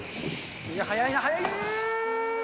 いや、速いな、速い。